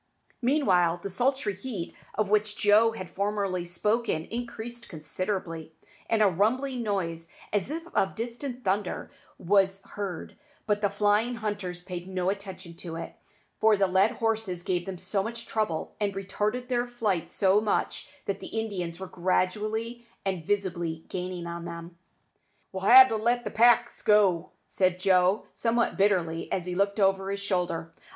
Meanwhile the sultry heat of which Joe had formerly spoken increased considerably, and a rumbling noise, as if of distant thunder, was heard; but the flying hunters paid no attention to it, for the led horses gave them so much trouble, and retarded their flight so much, that the Indians were gradually and visibly gaining on them. "We'll ha' to let the packs go," said Joe, somewhat bitterly, as he looked over his shoulder.